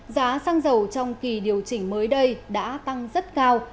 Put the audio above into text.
giá xăng dầu trong kỳ điều chỉnh mới đây đã tăng rất cao